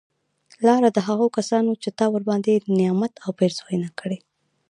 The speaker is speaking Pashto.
لاره د هغه کسانو چې تا ورباندي نعمت او پیرزونه کړي